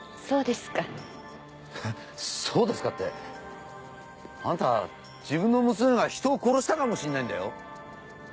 そうですかってあなた自分の娘が人を殺したかもしれないんだよ。